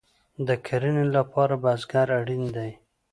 د کرنې لپاره بزګر اړین دی